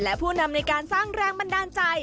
และผู้นำในการสร้างแรงบันดาลใจ